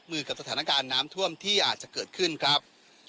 มือกับสถานการณ์น้ำท่วมที่อาจจะเกิดขึ้นครับ